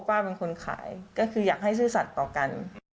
ป้าเป็นคนขายก็คืออยากให้ซื่อสัตว์ต่อกัน